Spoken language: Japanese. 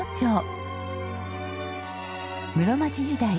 室町時代